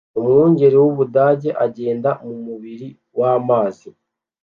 Umwungeri w’Ubudage agenda mu mubiri w’amazi